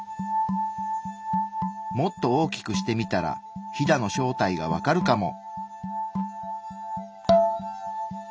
もっと大きくしてみたらヒダの正体がわかるかも。